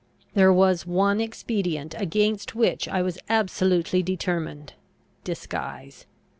There was one expedient against which I was absolutely determined disguise.